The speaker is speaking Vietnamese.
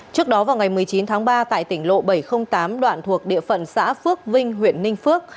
trước đó vào ngày một mươi chín tháng ba tại tỉnh lộ bảy trăm linh tám đoạn thuộc địa phận xã phước vinh huyện ninh phước